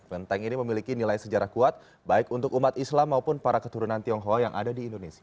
kenteng ini memiliki nilai sejarah kuat baik untuk umat islam maupun para keturunan tionghoa yang ada di indonesia